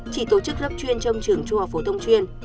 chỉ tổ chức lớp chuyên trong trường trung học phổ thông chuyên